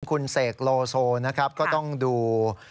คุณเสกโลโซนะครับก็ต้องดู